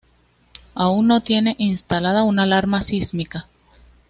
Aún no tiene instalada una alarma sísmica.